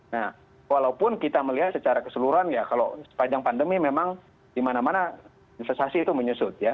nah walaupun kita melihat secara keseluruhan ya kalau sepanjang pandemi memang di mana mana investasi itu menyusut ya